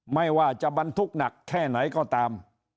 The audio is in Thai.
ไม่ว่าจะบรรทุกหนักแค่ไหนก็ตาม